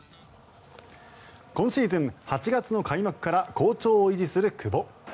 今シーズン８月の開幕から好調を維持する久保。